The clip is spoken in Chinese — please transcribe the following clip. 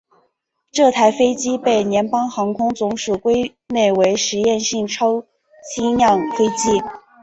这台飞机被联邦航空总署归类为实验性超轻量飞机。